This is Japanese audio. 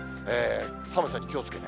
寒さに気をつけて。